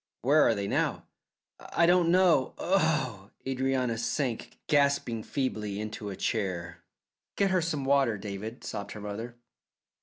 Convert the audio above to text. "Where are they now?" "I don't know. Oh!" Adrianna sank gasping feebly into a chair. "Get her some water, David," sobbed her mother.